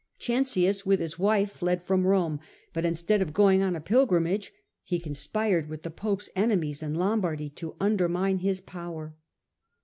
Cencius, with his wife, fled from Rome, but instead of going on a pilgrimage, he conspired with the pope's enemies in Lombardy to undermine his power.